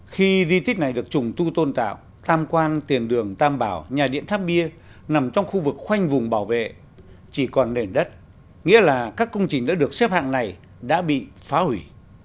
khi di tích này được trùng tu tôn tạo tham quan tiền đường tam bảo nhà điện tháp bia nằm trong khu vực khoanh vùng bảo vệ chỉ còn nền đất nghĩa là các công trình đã được xếp hạng này đã bị phá hủy